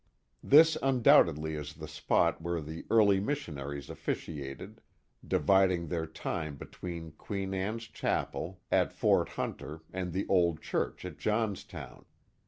This undoubtedly is the spot where the early missionaries officiated, dividing their time between Queen Anne's Chape! J JOHNSON, JOHN' Johnstown, New York 205 at Fort Hunter and the old church at Johnstown.